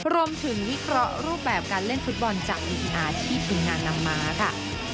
รวมถึงวิเคราะห์รูปแบบการเล่นฟุตบอลจากอีกอาทิตย์ถึงนานน้ำม้าค่ะ